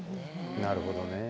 なるほどね。